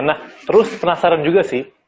nah terus penasaran juga sih